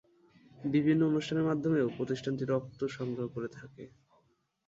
বিভিন্ন অনুষ্ঠানের মাধ্যমেও প্রতিষ্ঠানটি রক্ত সংগ্রহ করে থাকে।